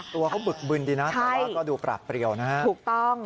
ตัวเขาบึดบื่นดีนะแต่ว่าก็ดูประเปรียวนะฮะ